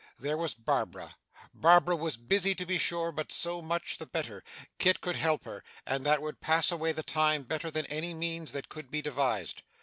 There was Barbara. Barbara was busy, to be sure, but so much the better Kit could help her, and that would pass away the time better than any means that could be devised.